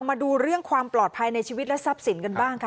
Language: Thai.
มาดูเรื่องความปลอดภัยในชีวิตและทรัพย์สินกันบ้างค่ะ